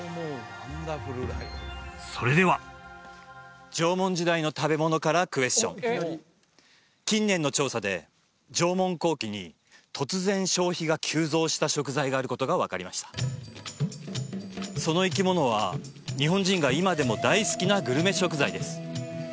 それでは縄文時代の食べ物からクエスチョン近年の調査で縄文後期に突然消費が急増した食材があることが分かりましたその生き物は日本人が今でも大好きなグルメ食材です